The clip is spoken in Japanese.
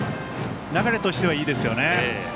流れとしてはいいですよね。